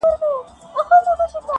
له دې رازه مي خبر که دیار زړه خو,